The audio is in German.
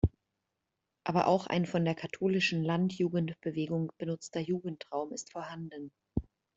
Aber auch ein von der Katholischen Landjugendbewegung benutzter Jugendraum ist vorhanden.